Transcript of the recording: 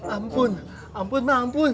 ampun ampun ma ampun